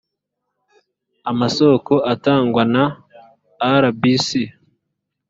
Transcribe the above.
amasoko atangwa na rbc